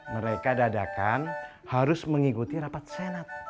mereka dadakan harus mengikuti rapat senat